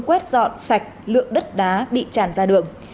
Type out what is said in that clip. quét dọn sạch lượng đất đá bị tràn ra đường